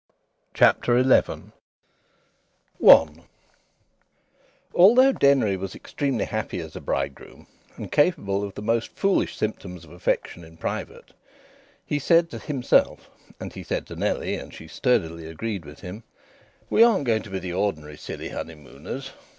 CHAPTER XI IN THE ALPS I Although Denry was extremely happy as a bridegroom, and capable of the most foolish symptoms of affection in private, he said to himself, and he said to Nellie (and she sturdily agreed with him): "We aren't going to be the ordinary silly honeymooners."